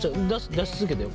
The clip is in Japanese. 出し続けてよ。